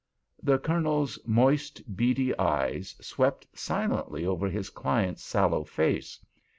The Colonel's moist, beady eyes swept silently over his client's sallow face.